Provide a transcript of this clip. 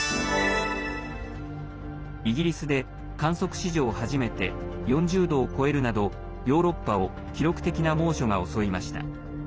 イギリスで観測史上初めて４０度を超えるなどヨーロッパを記録的な猛暑が襲いました。